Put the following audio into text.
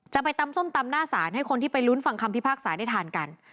จะไปตำส้มตำหน้าศาลให้คนที่ไปลุ้นฟังคำพิพากษาได้ทานกัน